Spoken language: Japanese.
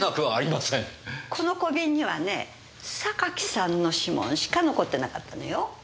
この小瓶にはね榊さんの指紋しか残ってなかったのよ。